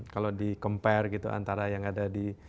kalau di compare gitu antara yang ada di